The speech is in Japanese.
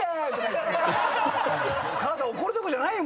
お母さん怒るどころじゃないよ！